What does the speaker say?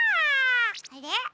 あれ？